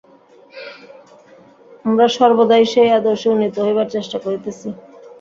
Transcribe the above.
আমরা সর্বদাই সেই আদর্শে উন্নীত হইবার চেষ্টা করিতেছি।